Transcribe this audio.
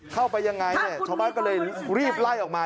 เข้าไปยังไงเนี่ยชาวบ้านก็เลยรีบไล่ออกมา